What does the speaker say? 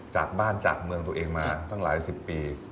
จากบ้านจากเมืองตัวเองมาตั้งหลายสิบปี